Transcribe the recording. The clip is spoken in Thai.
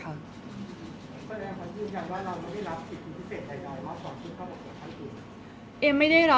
กรรมการทุกท่านเป็นพยานให้เอมด้วยค่ะ